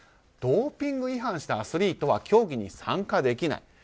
ドーピング違反したアスリートは競技に参加できない。